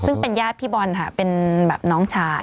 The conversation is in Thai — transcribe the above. ซึ่งเป็นญาติพี่บอลค่ะเป็นแบบน้องชาย